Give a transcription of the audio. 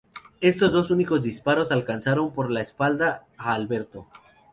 Estos dos únicos disparos alcanzaron por la espalda a Alberto.